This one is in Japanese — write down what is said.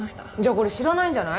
これ知らないんじゃない？